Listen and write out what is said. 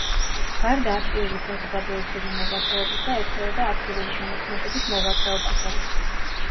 გარდა აქტიური საზოგადოებრივი მოღვაწეობისა, ეწეოდა აქტიური შემოქმედებით მოღვაწეობასაც.